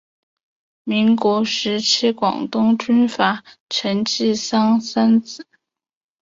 民国时期广东军阀陈济棠三子。